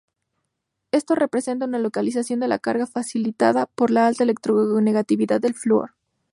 Esto representa una localización de la carga facilitada por la alta electronegatividad del flúor.